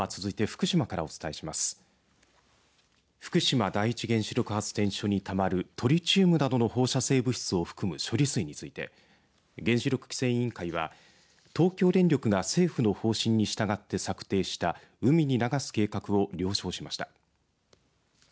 福島第一原子力発電所にたまるトリチウムなどの放射性物質を含む処理水について原子力規制委員会は東京電力が政府の方針に従って策定した海に流す計画を了承しました。